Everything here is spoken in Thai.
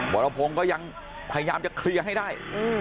วรพงศ์ก็ยังพยายามจะเคลียร์ให้ได้